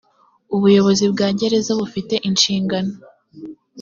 ubuyobozi bwa gereza bufite inshingano